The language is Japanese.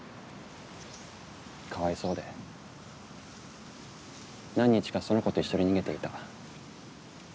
かわいそうで何日かその子と一緒に逃げていた。